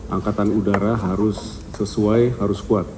angkatan udara harus sesuai harus kuat